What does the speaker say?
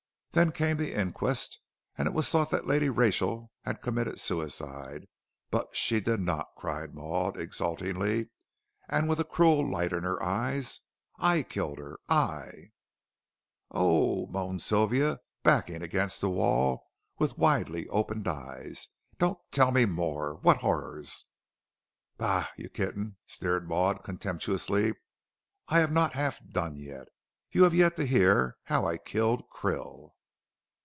Then came the inquest, and it was thought that Lady Rachel had committed suicide. But she did not," cried Maud, exultingly, and with a cruel light in her eyes, "I killed her I " "Oh," moaned Sylvia, backing against the wall with widely open eyes; "don't tell me more what horrors!" "Bah, you kitten," sneered Maud, contemptuously, "I have not half done yet. You have yet to hear how I killed Krill."